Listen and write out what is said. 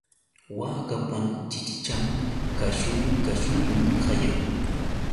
Waakapa chichichan kashuy kashuymi kayan.